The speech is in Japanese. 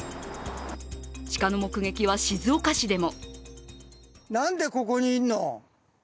鹿の目撃は静岡市でも！